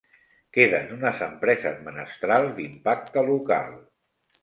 Queden unes empreses menestrals d'impacte local.